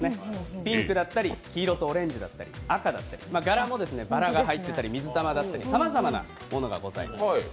ピンクだったり、オレンジだったり赤だったり、柄もバラが入っていたり、水玉だったりさまざまなものがございます。